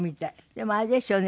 でもあれですよね